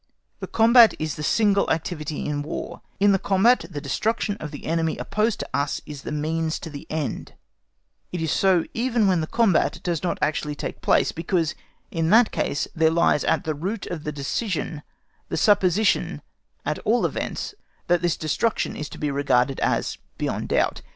The combat is the single activity in War; in the combat the destruction of the enemy opposed to us is the means to the end; it is so even when the combat does not actually take place, because in that case there lies at the root of the decision the supposition at all events that this destruction is to be regarded as beyond doubt.